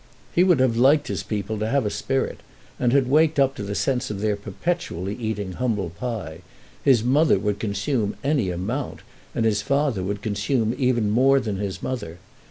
He would have liked his people to have a spirit and had waked up to the sense of their perpetually eating humble pie. His mother would consume any amount, and his father would consume even more than his mother.